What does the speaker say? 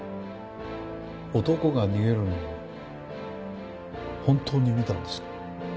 男が逃げるのを本当に見たんですか？